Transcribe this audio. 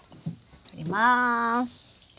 撮ります。